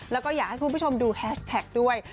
แล้วก็อยากให้คุณผู้ชมดูแฮชแท็กด้วย